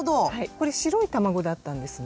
これ白い卵だったんですね。